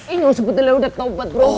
ini sebetulnya udah ketopat bro